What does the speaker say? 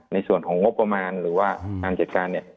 ในส่วนของงบประมาณหรือว่าการจัดการเนี่ย